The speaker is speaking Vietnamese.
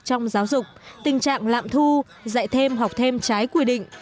trong giáo dục tình trạng lạm thu dạy thêm học thêm trái quy định